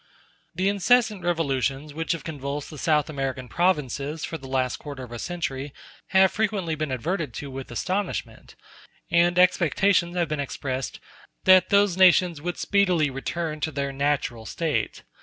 The incessant revolutions which have convulsed the South American provinces for the last quarter of a century have frequently been adverted to with astonishment, and expectations have been expressed that those nations would speedily return to their natural state.